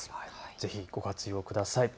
ぜひご活用ください。